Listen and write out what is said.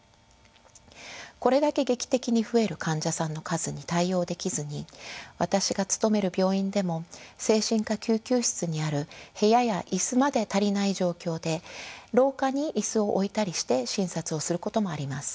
これだけ劇的に増える患者さんの数に対応できずに私が勤める病院でも精神科救急室にある部屋や椅子まで足りない状況で廊下に椅子を置いたりして診察をすることもあります。